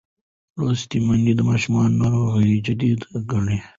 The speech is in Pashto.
لوستې میندې د ماشوم ناروغي جدي ګڼي.